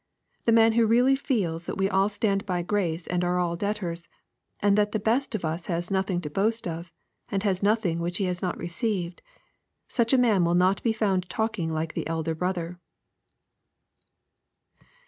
The man who really feels that we all stand by grace and are all debtors, and that the best of us has nothing to boast of, and has nothing which he has not received, — such a man will not be found talking like the " elder brother."